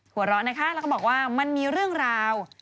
หัวเราะนะคะแล้วก็บอกว่ามันมีเรื่องราว